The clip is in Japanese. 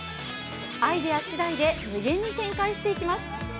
アイデアしだいで無限に展開していきます。